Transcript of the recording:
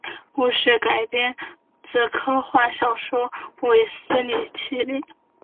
故事改编自科幻小说卫斯理系列。